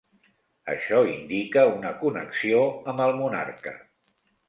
Això indica una connexió amb el monarca.